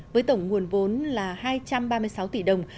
với tổng nguồn vốn là hai trăm ba mươi sáu tỷ đồng